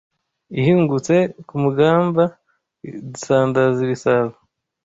Ihingutse ku mugamba isandaza ibisabo